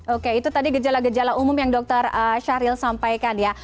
oke itu tadi gejala gejala umum yang dokter syahril sampaikan ya